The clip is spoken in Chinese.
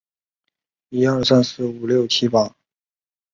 黄敏华是香港地产发展商信和集团总经理。